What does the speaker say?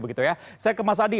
saya ke mas adi